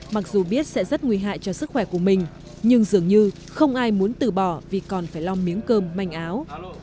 mặc dù biết sẽ rất nguy hại cho sức khỏe của mình nhưng dường như không ai muốn từ bỏ vì còn phải lo miếng cơm manh áo